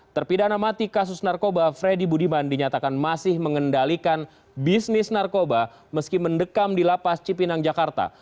terpidana mati kasus narkoba freddy budiman dinyatakan masih mengendalikan bisnis narkoba meski mendekam di lapas cipinang jakarta